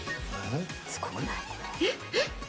えっ？